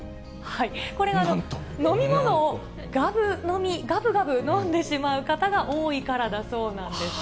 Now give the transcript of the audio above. これが、飲み物をがぶ飲み、がぶがぶ飲んでしまう方が多いからだそうなんです。